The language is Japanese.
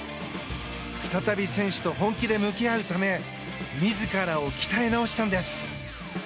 再び選手と本気で向き合うため自らを鍛え直したんです。